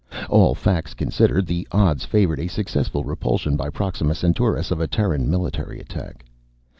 All facts considered, the odds favored a successful repulsion by Proxima Centaurus of a Terran military attack.